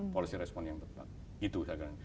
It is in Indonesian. policy response yang tepat itu saya kira